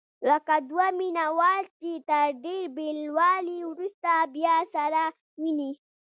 لکه دوه مینه وال چې تر ډېر بېلوالي وروسته بیا سره ویني.